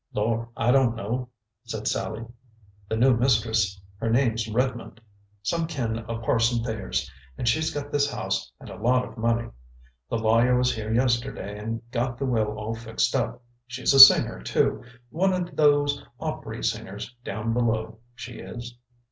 "Lor', I don't know," said Sallie. "The new mistress, her name's Redmond; some kin of Parson Thayer's, and she's got this house and a lot of money. The lawyer was here yesterday and got the will all fixed up. She's a singer, too one of those opery singers down below, she is."